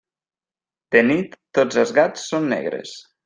De nit tots els gats són negres.